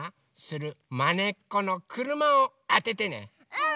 うん！